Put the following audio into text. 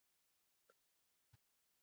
لویې پانګې په بانکونو کې جمع کېږي